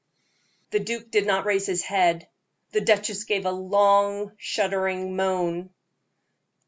The duke did not raise his head. The duchess gave a long, shuddering moan.